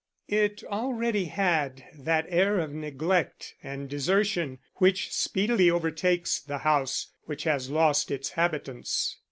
It already had that air of neglect and desertion which speedily overtakes the house which has lost its habitants.